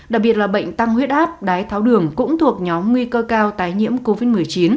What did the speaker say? đặc biệt là bệnh tăng huyết áp đái tháo đường cũng thuộc nhóm nguy cơ cao tái nhiễm covid một mươi chín